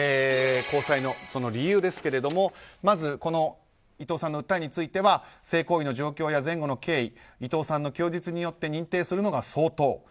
高裁の理由ですがまず、伊藤さんの訴えについて性行為の状況や前後の経緯伊藤さんの供述によって認定するのが相当。